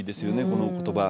この言葉。